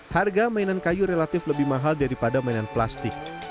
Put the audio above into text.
harga mainan kayu relatif lebih mahal daripada mainan plastik